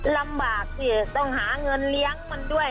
ลำบากสิต้องหาเงินเลี้ยงมันด้วย